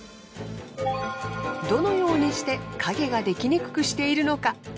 どのようにして影が出来にくくしているのか？